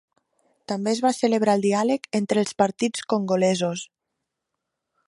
També es va celebrar el diàleg entre els partits congolesos.